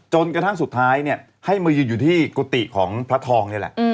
จนกระทั่งสุดท้ายเนี่ยให้มายืนอยู่ที่กุฏิของพระทองนี่แหละ